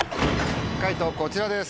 解答こちらです。